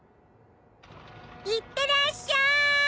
いってらっしゃい！